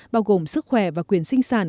bao gồm sức khỏe và quyền sinh sản